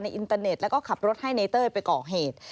อินเตอร์เน็ตแล้วก็ขับรถให้ในเต้ยไปก่อเหตุ